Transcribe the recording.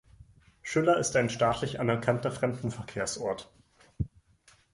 Schüller ist ein staatlich anerkannter Fremdenverkehrsort.